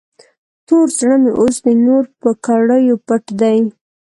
تور زړه مې اوس د نور په کړیو پټ دی.